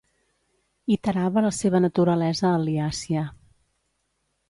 Iterava la seva naturalesa al·liàcia.